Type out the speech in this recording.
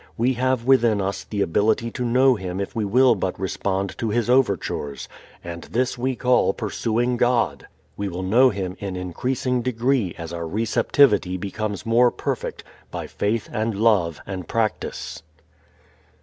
We have within us the ability to know Him if we will but respond to His overtures. (And this we call pursuing God!) We will know Him in increasing degree as our receptivity becomes more perfect by faith and love and practice.